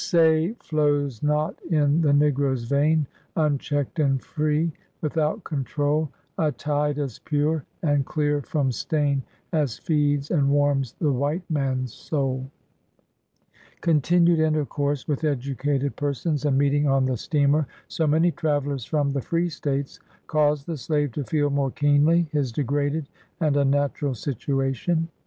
— M Say, flows not in the negro's vein, ITnchecked and free, without control, A tide as pure, and clear from stain, As feeds and warms the white man's sonl :" Continued intercourse with educated persons, and meeting on the steamer so many travellers from the free States, caused the slave to feel more keenly his degraded and unnatural situation.